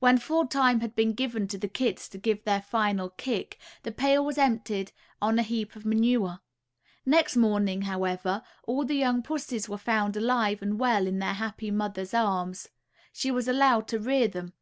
When full time had been given to the kits to give their final kick, the pail was emptied on a heap of manure. Next morning, however, all the young pussies were found alive and well in their happy mother's arms. She was allowed to rear them.